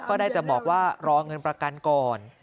ก็ได้จะบอกว่ารอเงินประกันก่อน